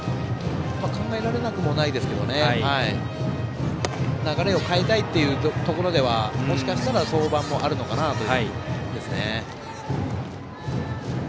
考えられなくはないですが流れを変えたいというところではもしかしたら登板もあるのかなと。